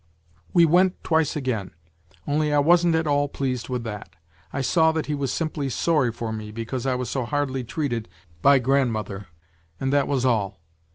We went twice again. Only I wasn't at all pleased with that ; I saw that he was simply sorry for me because I was so hardly treated by grandmother, and that was all.